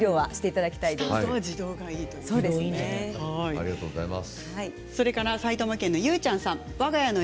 ありがとうございます。